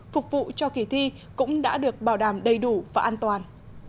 phục vụ cho kỳ thi cũng đã được bảo đảm đầy đủ và an toàn